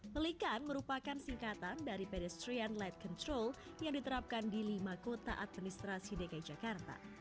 pelikan merupakan singkatan dari pedestrian light control yang diterapkan di lima kota administrasi dki jakarta